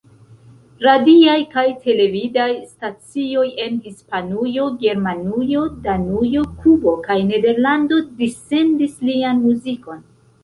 Radiaj kaj televidaj stacioj en Hispanujo, Germanujo, Danujo, Kubo kaj Nederlando dissendis lian muzikon.